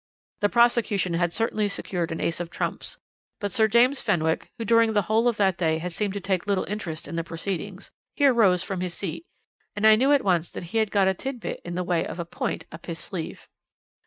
"The prosecution had certainly secured an ace of trumps, but Sir James Fenwick, who during the whole of that day had seemed to take little interest in the proceedings, here rose from his seat, and I knew at once that he had got a tit bit in the way of a 'point' up his sleeve.